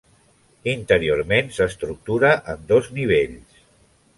Interiorment s'estructura en dos nivells.